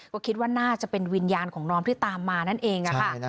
ก็คิดว่าน่าจะเป็นวิญญาณของน้องที่ตามมานั่นเองค่ะ